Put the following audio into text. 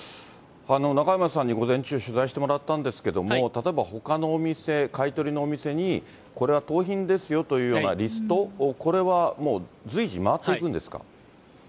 中山さんに午前中、取材してもらったんですけれども、例えばほかのお店、買い取りのお店に、これは盗品ですよというようなリスト、これはもう、随時回っていくんですか？